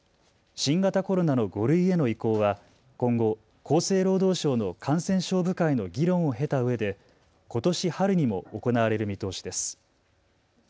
新型コロナの５類への移行は今後、厚生労働省の感染症部会の議論を経たうえでことし春にも行われる見通しです。